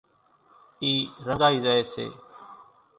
اِي رنڳائي زائي سي۔